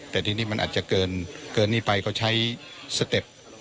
แต่ทีนี้มันอาจจะเกินนี้ไปเขาใช้สเต็ป